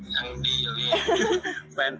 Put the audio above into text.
ยังดีอยู่ดี